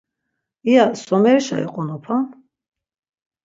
İya somerişa iqonopan?